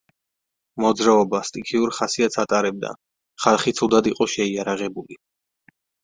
მოძრაობა სტიქიურ ხასიათს ატარებდა, ხალხი ცუდად იყო შეიარაღებული.